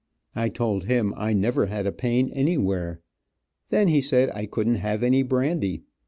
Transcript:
I told him I never had a pain anywhere. Then he said I couldn't have any brandy.